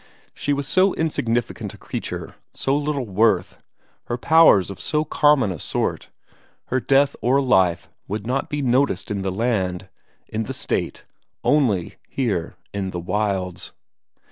She was so insignificant a creature, so little worth, her powers of so common a sort; her death or life would not be noticed in the land, in the State, only here in the wilds.